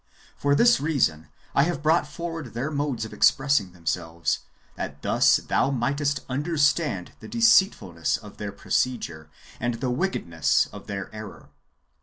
For this reason, I have brought forward their modes of expressing themselves, that thus thou mightest understand the deceitfulness of their procedure, and the wickedness of their error.